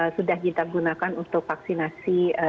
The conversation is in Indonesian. sudah kita gunakan untuk vaksinasi